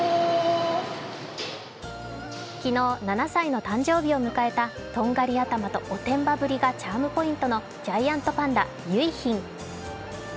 昨日、７歳の誕生日を迎えた、とんがり頭とおてんばぶりがチャームポイントのジャイアントパンダ・結浜。